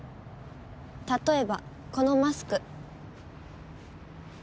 例えばこのマスク。